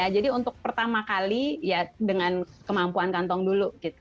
jadi untuk pertama kali ya dengan kemampuan kantong dulu